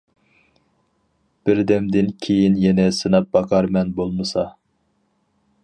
بىردەمدىن كېيىن يەنە سىناپ باقارمەن بولمىسا.